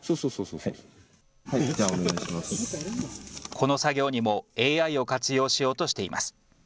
この作業にもＡＩを活用しようとしています。